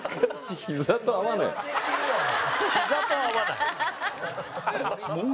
「ヒザと合わない」？